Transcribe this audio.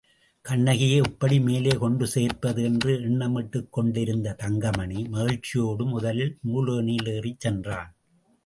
கண்ணகியை எப்படி மேலே கொண்டு சேர்ப்பது என்று எண்ணமிட்டுக்கொண்டிருந்த தங்கமணி, மகிழ்ச்சியோடு முதலில் நூலேணியில் ஏறிச் சென்றான்.